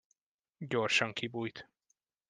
Gyorsan kibújt.